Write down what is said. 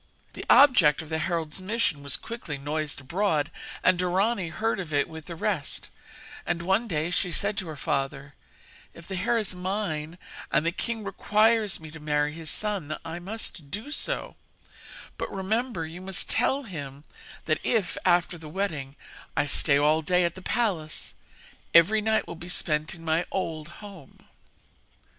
The object of the herald's mission was quickly noised abroad, and Dorani heard of it with the rest; and, one day, she said to her father: 'If the hair is mine, and the king requires me to marry his son, I must do so; but, remember, you must tell him that if, after the wedding, I stay all day at the palace, every night will be spent in my old home.'